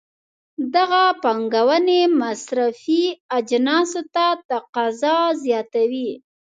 دغه پانګونې مصرفي اجناسو ته تقاضا زیاتوي.